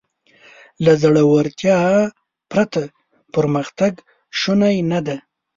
له زړهورتیا پرته پرمختګ شونی نهدی.